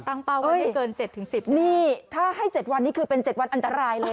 ตังปะว่าไม่เกินเจ็ดถึงสิบนี่ถ้าให้เจ็ดวันนี่คือเป็นเจ็ดวันอันตรายเลย